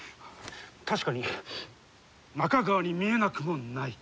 確かに「中川」に見えなくもない。